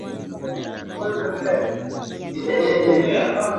jamii itanikubaliDawa za kulevya zinazotumiwa kwa wingi